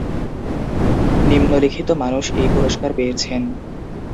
নিম্নলিখিত মানুষ এই পুরস্কার পেয়েছেন।